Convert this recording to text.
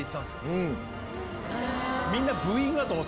みんな。